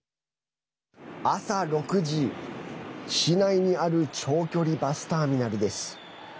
朝６時、市内にある長距離バスターミナルです。